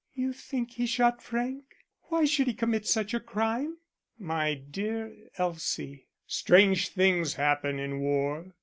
"You think he shot Frank? Why should he commit such a crime?" "My dear Elsie, strange things happen in war.